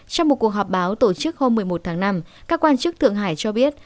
trong một cuộc họp báo tổ chức hôm một mươi một tháng năm các quan chức thượng hải cho biết